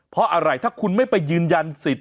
เพราะอะไรถ้าคุณไม่ไปยืนยันสิทธิ